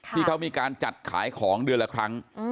ที่เขามีการจัดขายของเดือนละครั้ง